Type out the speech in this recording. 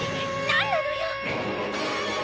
何なのよ！